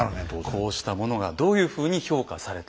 こうしたものがどういうふうに評価されたのか。